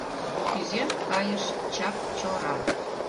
Кӱзен кайыш Чакчора.